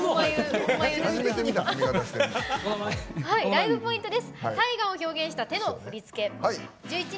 ライブポイントです。